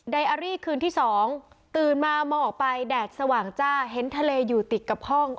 อารี่คืนที่๒ตื่นมามองออกไปแดดสว่างจ้าเห็นทะเลอยู่ติดกับห้อง